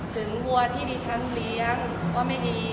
ถึงวัวที่ดิฉันเลี้ยงว่าไม่ดี